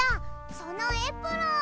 そのエプロン！